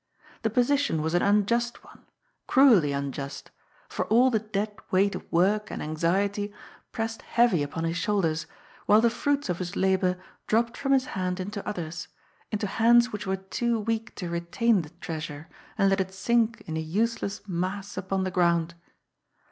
The position was an unjust one, cruelly unjust, for all the dead weight of work and anxiety pressed heavy upon his shoulders, while the fruits of his labour dropped from his hand into others, into hands which were too weak to retain the treasure and let it sink in a useless mass upon the ground.